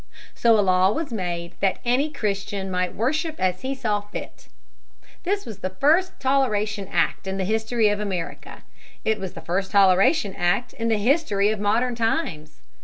So a law was made that any Christian might worship as he saw fit. This was the first toleration act in the history of America. It was the first toleration act in the history of modern times.